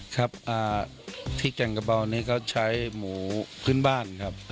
ครับที่แก่งกระเบานี้เขาใช้หมูพื้นบ้านครับ